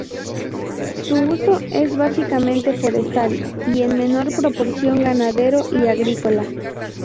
Su uso es básicamente forestal y en menor proporción ganadero y agrícola.